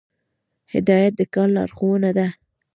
هدایت د کار لارښوونه ده